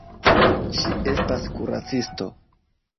Ŝi estas kuracisto.